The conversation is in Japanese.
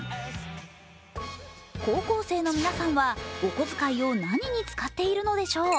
高校生の皆さんはお小遣いを何に使っているのでしょう？